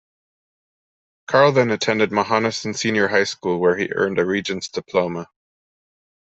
Carl then attended Mohonasen Senior High School where he earned a Regents diploma.